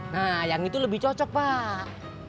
nah yang itu lebih cocok pak